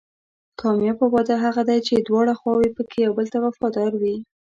کامیابه واده هغه دی چې دواړه خواوې پکې یو بل ته وفادار وي.